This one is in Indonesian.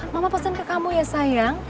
mama pesan ke kamu ya sayang